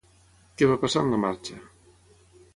Què va passar en la marxa?